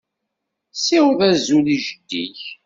Ssiweḍ azul i jeddi-k.